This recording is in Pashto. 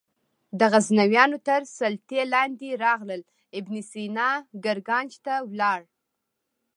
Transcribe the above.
د غزنویانو تر سلطې لاندې راغلل ابن سینا ګرګانج ته ولاړ.